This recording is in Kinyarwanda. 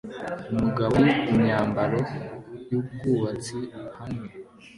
Umugabo ni imyambaro yubwubatsi hamwe